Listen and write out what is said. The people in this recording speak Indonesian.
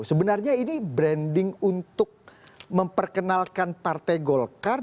sebenarnya ini branding untuk memperkenalkan partai golkar